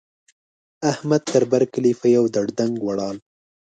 احمد؛ تر بر کلي په يوه دړدنګ ولاړ.